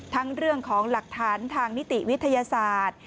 เรื่องของหลักฐานทางนิติวิทยาศาสตร์